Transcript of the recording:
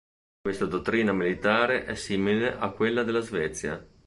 Questa dottrina militare è simile a quella della Svezia.